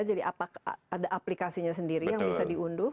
jadi apakah ada aplikasinya sendiri yang bisa diunduh